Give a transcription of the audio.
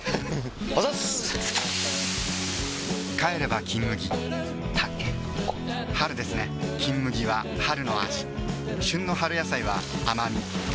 シュワー帰れば「金麦」たけのこ春ですね「金麦」は春の味旬の春野菜は甘み香り苦み